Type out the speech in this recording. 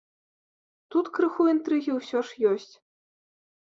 Тут крыху інтрыгі ўсё ж ёсць.